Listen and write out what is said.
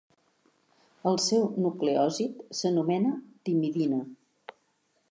El seu nucleòsid s'anomena timidina.